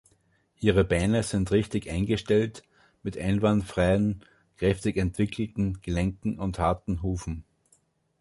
Ihre Beine sind richtig eingestellt, mit einwandfreien, kräftig entwickelten Gelenken und harten Hufen.